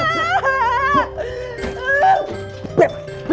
beb tunggu beb